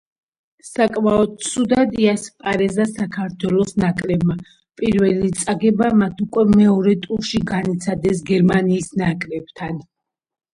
საკმაოდ ცუდად იასპარეზა საქართველოს ნაკრებმა, პირველი წაგება მათ უკვე მეორე ტურში განიცადეს გერმანიის ნაკრებთან.